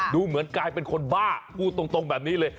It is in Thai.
ดูเหมือนกลายเป็นคนบ้าพูดตรงแบบนี้เลย